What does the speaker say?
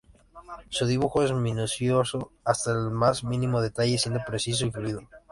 Su dibujo es minucioso hasta el más mínimo detalle siendo preciso y fluido.